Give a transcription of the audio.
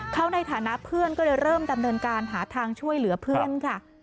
เขาในฐานะเพื่อนก็เลยเริ่มดำเนินการหาทางช่วยเหลือเพื่อนค่ะ